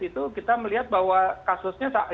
itu kita melihat bahwa kasusnya